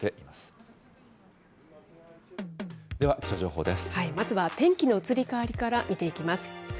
まずは天気の移り変わりから見ていきます。